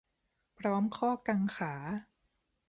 พร้อมข้อกังขา